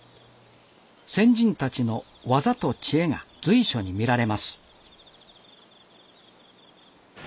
先人たちの技と知恵が随所に見られます。